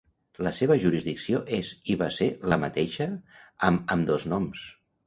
La seva jurisdicció és i va ser la mateixa amb ambdós noms.